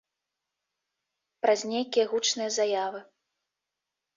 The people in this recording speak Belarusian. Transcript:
Праз нейкія гучныя заявы.